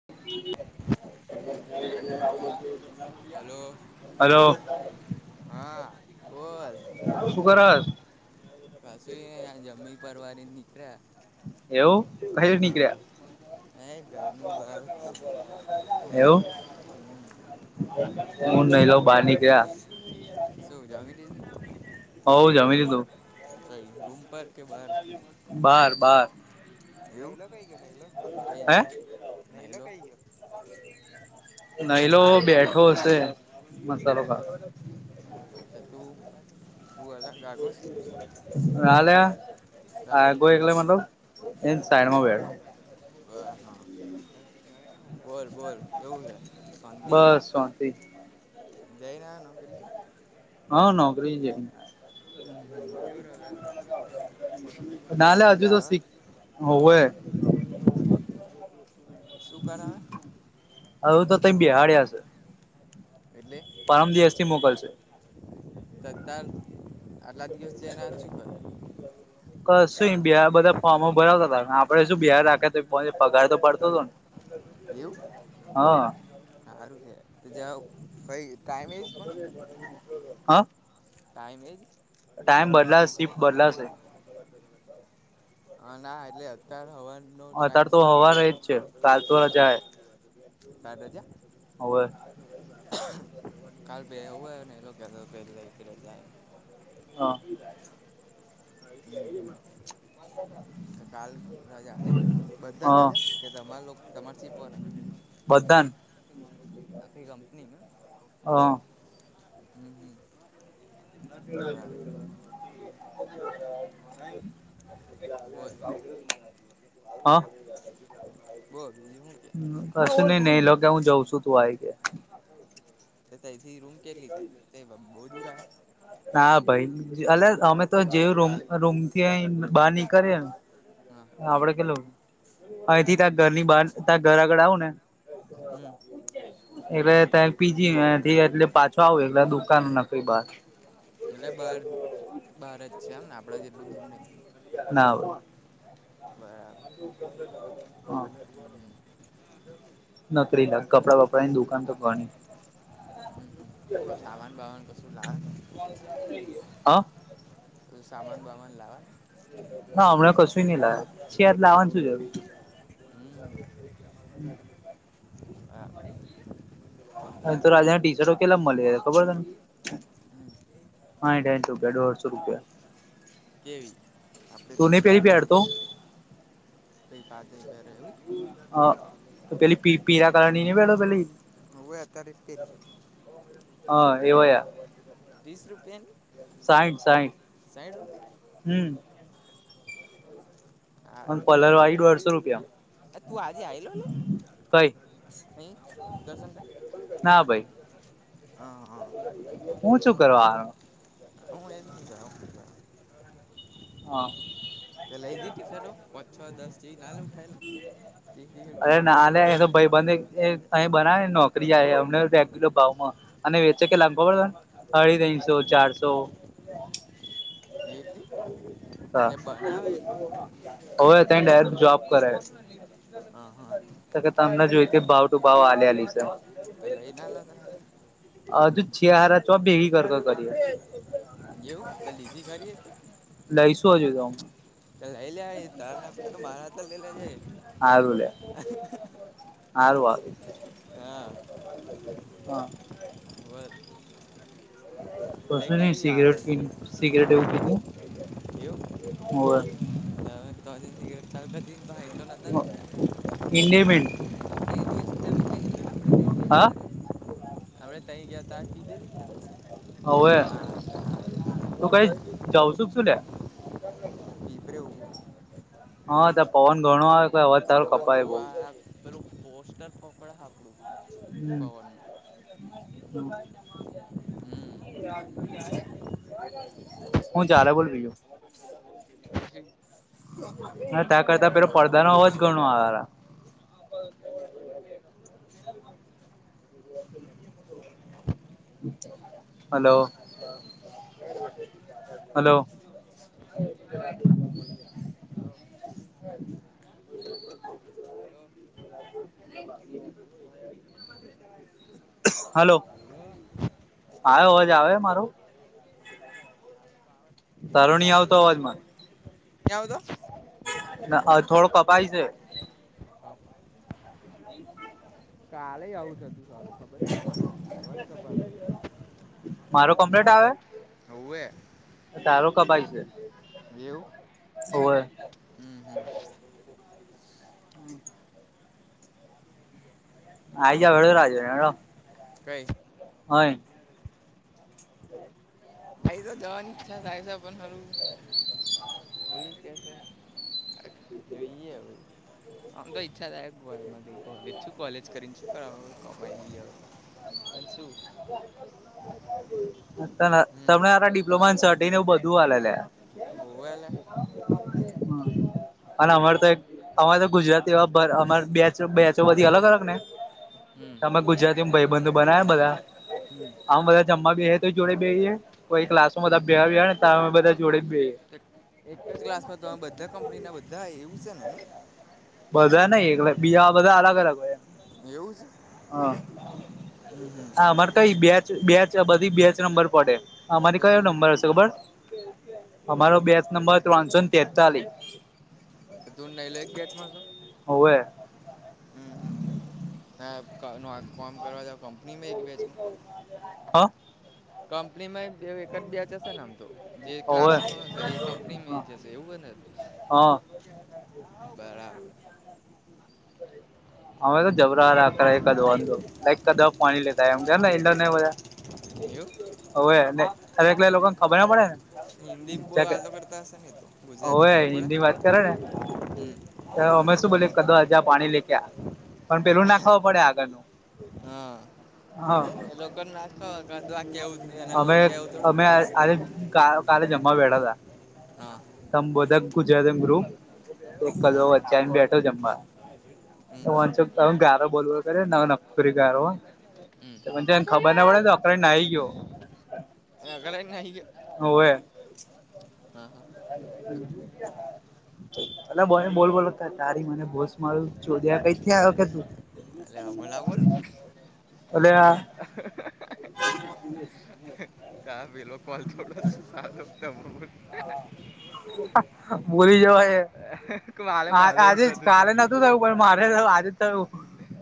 [inaudible] Hello hello હા બોલ શું કરહસ કસું જમી પરિવારી નીકળ્યા એવું કયુ નીકળ્યા હે ઘરની બાર જ તો એવું હેડવા હમ હું નૈલો બાર ની ગયા શું જમી લીધું હવ જમી લીધું કઈ રૂમ પર કે બહાર બાર બાર [unintelligible] નઈલો બેઠો શે મસાલો ખા ત તું તું અલા ગાગજ નાલે અ એકલો મતલબ એની સાઈડમાં બેઠો બ હા બોલ બોલ કેવું છે શાંતિ બસ શાંતિ. [unintelligible] નોકરી હા નોકરી છે. હમ કઈ નાલે હજુ મજા તો આવે શીખ હોવ્વે. શું કરા.? આવું તો તય બેહડયા છે. એટલે. પરમ દિવસ થી મોકલશે. તદાર આટલા દિવસ જયને આ ચુક કર્યું કા શું [unintelligible] બધા ફોર્મો ભરાવતા હતા આપડે શું બિહાર રાખે તો પગાર તો પડતો હતો ને. [unintelligible] એવું. હા. સારું છે તો જાઈ ટાઈમે એજ પણ. હા ટાઈમ એજ ટાઈમ બદલા શિફ્ટ બદલાશે. હ ના એટલે અત્યાર હવાનું અત્યારે તો હવારે રહી જ છે કાલ તો રજા. કાલે રજા. હવે કાલ [unintelligible] એવું હો ને એ લોકો કે પહેલી તારીખ રજા એમ. હા. હમ હમ. તો કાલ રજા નહી બધાને હા રાજા કે તમાર તમાર સીપવાળા ને. બધા ને. આખી કંપની ના. હા. હમ હમ. બરાબર બોલ [inaudible] હા. બોલ બીજું હું કે. કશું નઈ ને એ લોકે હું જઉં છું તું આવી ગયા. તે તાઈ થી રૂમ કેટલી થાય તે બહુ દૂર આયા ના ભાઈ. [unintelligible] અમે તો જેવ રૂમ રૂમ ક્યાંય બહાર નીકળેને હા આવડે કેલો અહીંથી ત્યાં ઘરની બહાર ત્યાં ઘર આગળ આવું ને. હમ્મ. એટલે ત પીજીથી એટલે પાછો આવ એટલે દુકાન [unintelligible] બાર. એટલે બહાર બહાર જ છે આમ આપણા જેટલું દૂર નહીં. ના. બરાબર. હા. હમ્મ હામ. નોકરી ના કપડા વાપડા ક દુકાન તો કો ન હમ હમ તો સામાન બામાન કશું લાવે હા. તો સામાન બામાન લાવવાનું હા હમણાં કશું નહી લાવે [unintelligible] લાવવાનું શું જરૂર છે. હમ્મ. [inaudible] બરાબર. તો રાજા ટીચરો કેટલા મળી ખબર તને. હમ્મ. [unintelligible] રૂપિયા દોઢસો રૂપિયા કેવી આપડે તું નહી પેલી પેરી પેડ તો. તે બાદરે હો હા તો પેલી પી પીરા કારણની ન બેેડો પેલી હોવે અત્યારે પેરી હ એવો ત્રીસ રૂપિયા સાઈઠ ની સાઠ રૂપિયા હમ [inaudible] હારુ અને કલર કેવાય વાળી દોઢસો રૂપિયા છે તું આજે આલો ને કઈ એ દસન્ટ ના ભાઈ હું શું કરવા આયો [unintelligible] હ તો લઈ દી ટસ પાચ છ દસ જેવી ના લ ઉઠાવેલો અરે નાને એ તો ભાઈબંધ અહી બનાવે નોકરી આવે અમ રેગ્યુલર ભાવમાં અને વેચે કે લાગબો પડતો ને હઠી તીનશો ચારસો જેટલી હા હોવે ત ડાયરેક જોબ કરે હ હા તો કે તમને કંપની જોઈતી ભાવ બંપની ટુ જેવી ભાવ છે આલેલી છે તો લઈ ના લ તો હાર હ જો છિયાહારા છવા ભેગી કર કર જેવું ત લીધી ખરી એકે લઈશું હજું તો હું એ હારું લે હારું વા હા હા વર કશું નઈ કેવી આવે સિગરેટ સિગરેટ એવું પીધું એવું [unintelligible] ઇન્ડિમેન્ટ તે દિવસ તે હા આપડે તઈણ જ્યાં તાર પીધેલી કદાચ હોવે તું કઈ જાઉ છુક શુ કે [unintelligible] હા તા પવન ઘણો આવે કોય અવાજ તારો પવન કપાય બહુ બઉ આ પેલું પોસ્ટર પપડા આપડું હમ પવનમાં [inaudible] હમ હું ચાલે બોલ બીજું [unintelligible] ના તાર કરતા પેલો પડદા નો અવાજ ઘણો આવેરા hello hello hello [inaudible] hello hello hello આયો અવાજ આવે હે મારો હોવે તારોતો આવે જ છે તારો ની આવતો અવાજ મન ની આવતો આ અ થોડો કપાય છે. કપાય છે. કાલેય આવું થતું તરુ ખબર નહી અવાજ કપાતો તો. મારો કમ્પ્લેટ આવે. હોવે. તા તારો કપાય છે. એવું હોવે હમ્મ હમ્મ. [inaudible] આઈ જાઓ હેડો રાજો હેડો. કઈ હોય. [inaudible] હા ઈતો જવાન ઈચ્છા થાય છે પણ હારું વડી કે છે. [unintelligible] જોઈએ હવે. આમ તો ઈચ્છાદાયક [unintelligible] ગઈ કોલેજ શું કોલેજ કરીને શું કર કમાંઈ લીએ પણ શું. તન હમ તમને હારા ડિપ્લોમાને સર્ટિને એવું બધું આલે અલ્યા. હોવે લે. [unintelligible] અને અમાર તો એક અમારે તો ગુજરાતી એવા અમાર બેચ બેચો બધી અલગ અલગ ને. હમ્મ. અમે ગુજરાતી ભાઈબંધ બનાવે બધા. હમ આમ બધા જમવા બેહે તોય જોડે બેહિએ કોઈ ક્લાસમાં બધા ભેળાં બેહાડે ને તા અમે બધા જોડે બેહિએ. એક જ ક્લાસમાં તમે બધા કંપની ના બધા એવું છે ને ની. બધા નઈ એટલે બીજામા બધા અલગ અલગ હોય. એમ એવું છે. હા હમ હમ આ અમારે કઈ બેચ બેચ બધી બેચ નંબર પડે. અમારી તો કયો તું નંબર હશે ખબર અમારો બેચ નંબર ત્રણસો તેતાલીસ. તું નહી [unintelligible] એક બેચમાં છો. હોવે. હમ્મ હમ્મ ત નું આ કોમ કરવા દાવ કંપનીમાં એક બેચનું. હા. કંપની માં બે એક જ બેચ હશેને આમ તો. જે હોવે ક્લાસમાં હશે એ કંપનીમાં જશે એવું બને. હા બરાબર. હમે તો જબરા રા કરંધ લ કદા પાણી લેતા એમને એને બધા. એવું. હવેને અરે કેટલે લોકોને ખબર ના પડે ને. હિન્દી આલગ કરતા હશે ને તો ગુજરાતી હોવે ખબર હિન્દી વાત પડે? કરે ને હમ અમે શું બોલ કદો હજ્યા પાણી લે કે આ. પણ પેલું નાખવું પડે આગળનું. હા હા એ લોકો ના ખબર કાં તો આ કેવું જ નહીં અને અમે મને કેવું થોડું અમે ખબર હશે આ કા કાલે જમ માં [unintelligible] હા. ત બોધા ગુજરાત ગ્રુપ એક કલો હા વચ્ચે આવી બેઠો જમવા. હમ તો વાચો ગારો બોલવો કરે ના નકરી ગારો હમ જ એને ખબર ના પડે તો અકરે નાહી ગયો. [unintelligible] એ નાહી ગયો. હવે હા હા. [inaudible] પલા બોને બોલ બોલતા તારી મને બોસ મારું જોધ્યા કઈથી આયો કે તું- એટલે હમણાં - અલે- - [inaudible] ત પેલો કોલ થોડો સાદો ત- બોલી જવા એ- - મારે મારે એવું થતું તું. નતું થયું પણ મારે થયું આજ થયું.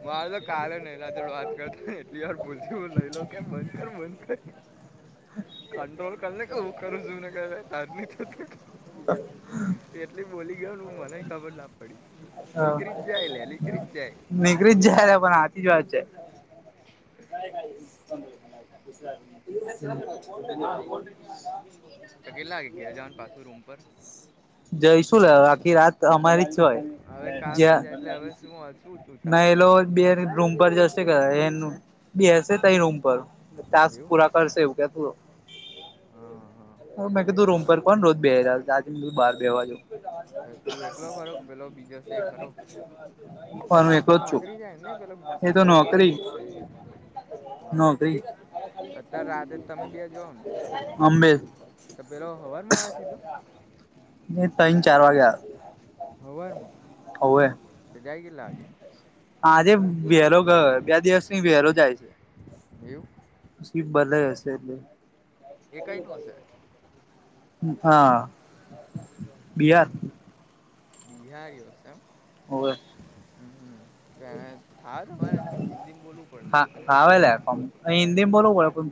મારે તો કાલે નૈલા જોડ વાત કરતા એટલી વાર ભૂલતી બોલાયેલું કે બંદ કર બંદ કર. [inaudible] કંટ્રોલ કરને કું કરું જું ના ક ત- - હા. એટલી બોલી ગયો મને ખબર ના પડી નીકળી જ જાય લે નીકરી જ જાય. જ નીકળી પણ હાચી જ વાત છે. કઈ ક પંદર દરા- - ત કેટલા વાગે ઘેર જવાનુ પાછુ રૂમ પર જઈ શું લ આખી રાત અમારી જ હોય. હવે કાલ જ્યા રજા એટલે હવે શું વાંચું તું નાએલો ટાવરની બે રૂમ પર જશે એનું. બે હસે તય રૂમ પર તસ્ક એવું પૂરા કરશે હા હા. હ મેં નવડે કીધું રૂમ ફોન પર આવશે કોણ રોજ બે આજ બાર બેવાજો. તો તું એકલો ખરો કે પેલો બીજો છે ખરો પણ મેં એકલો જ છું. એ તો તીજો પહેલો નોકરી કોક છે. હા નોકરી હા અત્યારે રાતે તમે બે જોઓને- અંબે - તો પેલો હવારમાં આવે સીધો. ની તન ચાર વાગ્યા હવે. ત જાય કેટલા વાગે આજે વેરો ગયો બે દિવસની વેરો જાય છે એવું પછી બદ હશે એટલે એ કઈ નું હશે હા બિહાર બિહારીઓ છે હોવે હમમને થા તમારે હિન્દી બોલવું પડતું હશે ને હિન્દીમ બોલવું પડે પણ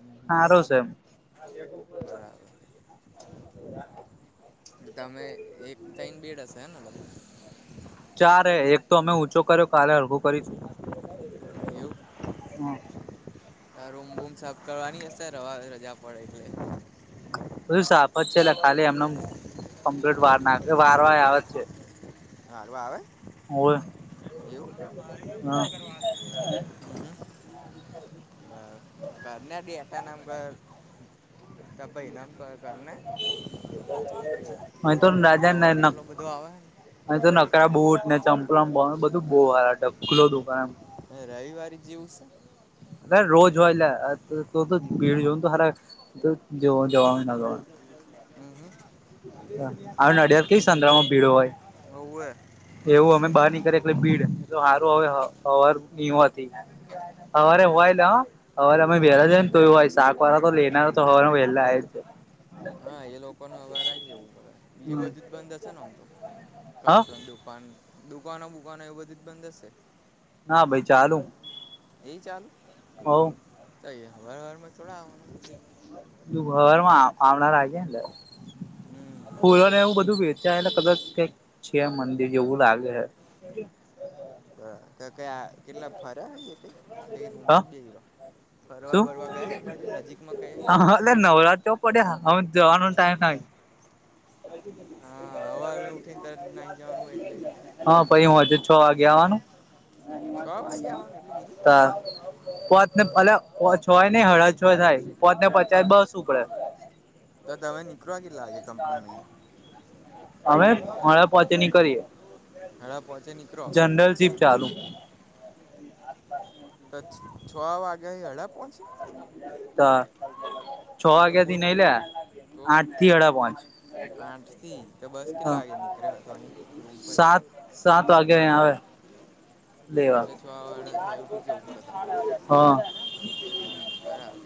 હમ હમ હારો છે [inaudible] બરાબર તમે એક ચૈન બેડ હશે ને ચારે એક તો અમે ઊંચો કર્યો કાલે ઉભું કરીશું લગભગ એવું રૂમ બૂમ સાફ કરવાની હશે રવા રજા પડે એટલે બધૂ સાફ જ છે લા ખાલી એમપ્લીટ વાર નાખ વાર વાર આવે છે હારું આવે હોવે એવું હમ હમ બર કરને ડેટા નામ ઘર ભાઈ નામ પર કરને હ તો રાજા ના પવન નક એટલો બધો આવે અ તો નકરા બહુ ઉઠ ને ચંપલા બ બધું બહુ હાઢકુલો દુકાનમ રવિવારી જેવું છે અલે રોજ લા તો તો ભીડ જોને તો હારા તો જોવ જવાનું ના જવાનું હમ હમ આ નડિયાદ કઈ સંત્રમાં ભીડો હોય. હવુંવે. એવું અમે બહાર નીકેએ એટલે ભીડ સારું હવે હવાર ની હતી. હવારે હોયલ [unintelligible] હવારે અમે વહેલા જ ને તો એ શાક વાળા તો લેનારા તો હવાનું વહેલા જ છે. હા એ લોકો ન અભાર આવી જવું પડે બીજું બધું જ બંધ હશે ને આમ તો. હ કપડ દુકાન દુકાનો બુકાનો એવ બધી જ બંધ હશે. ના ભાઈ ચાલુ. એ ચાલુ. હો તો હવાર વારમાં થોડા આવવાનું. તું ઘરમાં આ આવમણા લાગે હમ ફુલો ને એવું બધું વેચ્યા એટલે કદાચ કઈક છે મંદિર જેવું લાગે. બ ક કેટલા ફરે આવી ક રૂમ હ જ બે ગલો. શું હ એ નવરાત્ર પડ્યા હ જવાનો ટાઈમ ના. હા હવારમાં ઉઠીને તરત નાહી જવાનું હોય એટલે હા પઈ હુંજ છ વાગે આવાનું. છ વાગે આવવાનું એટલું બધું [unintelligible] ને પલા છ હોય ને હળદ છય થાય પોત ને પચાય બસ શું પડે. તો તમે ની કરો કેટલા વાગે કંપની માઇ. અમે પોણા પાંચે નીકળીએ હડા પહોંચે નીકળો જનરલ ચીપ ચાલુ. [unintelligible] છ વાગ્યા હડા પહોંચી. તો છ હા તો વાગ્યા થી બોટ નઈ લે તો આઠ થી અઢ પોહંચ. આઠથી તો બસ હા કેટલા વાગે નીકળ્યો હતો અહીં રૂમ પરથી સાત સાત વાગે અહીયા આવે. હમ રહેવા એટલે છ વાડા છ એ ઉઠી જવું પડે તમારે દો હા. હમ બરાબર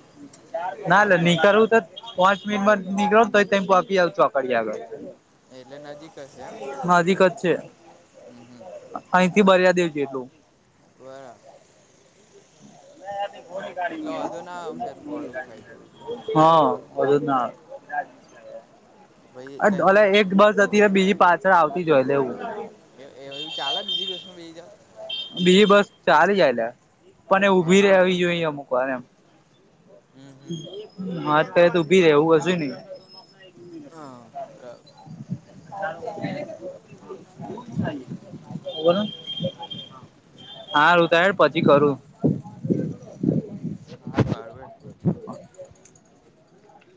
ના રે સાતો હશે નીકળવું તો પાંચ મિનિટમાં નીકળ ને તો આપી આવજો અખળ આગળ [unintelligible] એટલે નજીક હશે એમ નજીક જ છે હમ હમ અહીથી બરિયાદેવ જેટલું. [unintelligible] એટલે વાંધો ના આવશે મોડું થાય તો એ તો [unintelligible] હા [unintelligible] ના. ભાઈ આ તહીં [unintelligible] એક બસ હતી ને બીજી પાછળ આવતી જ હોય એવું. એ એ એવું ચાલે બીજી બસમાં બેસી જાવ. બીજી બસ ચાલી જાય પણ એ હ હ ઊભી રેવી જોઈ મૂકવાને એમ. હમ હમ મારે તો એ તો ઉભી રહેેવું હશે ને. હા [unintelligible] બોલો. હારુ તાયડ પછી કરુ. હા બારવે